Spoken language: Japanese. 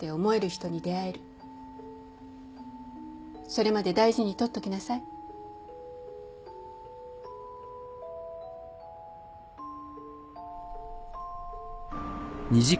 それまで大事に取っときなさいねえあそこ